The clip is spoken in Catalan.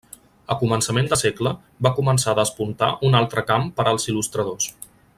A començament de segle, va començar a despuntar un altre camp per als il·lustradors.